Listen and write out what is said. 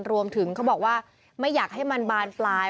เขาบอกว่าไม่อยากให้มันบานปลาย